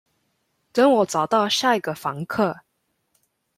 等我找到下一個房客